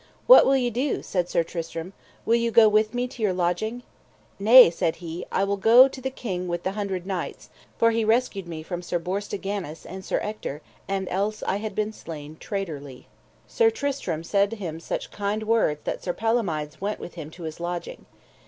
What will ye do, said Sir Tristram, will ye go with me to your lodging? Nay, said he, I will go to the King with the Hundred Knights, for he rescued me from Sir Bors de Ganis and Sir Ector and else had I been slain traitorly. Sir Tristram said him such kind words that Sir Palomides went with him to his lodging.